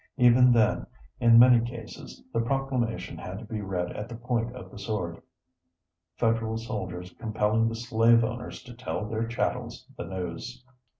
Even then, in many cases, the proclamation had to be read at the point of the sword, federal soldiers compelling the slave owners to tell their chattels the news.